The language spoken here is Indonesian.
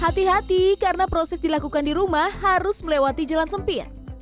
hati hati karena proses dilakukan di rumah harus melewati jalan sempit